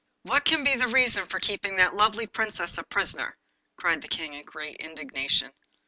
'What can be the reason for keeping that lovely Princess a prisoner?' cried the King in great indignation.